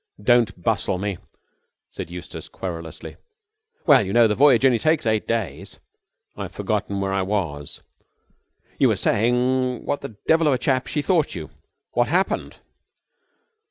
"Don't bustle me," said Eustace querulously. "Well, you know, the voyage only takes eight days." "I've forgotten where I was." "You were saying what a devil of a chap she thought you. What happened?